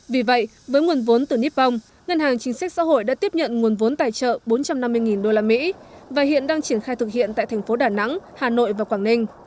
vì vậy với nguồn vốn từ nippon ngân hàng chính sách xã hội đã tiếp nhận nguồn vốn tài trợ bốn trăm năm mươi usd và hiện đang triển khai thực hiện tại thành phố đà nẵng hà nội và quảng ninh